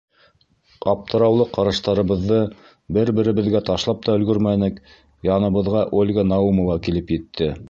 Аптыраулы ҡараштарыбыҙҙы бер-беребеҙгә ташлап та өлгөрмәнек, яныбыҙға Ольга Наумова килеп етте: